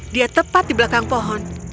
dia tepat di belakang pohon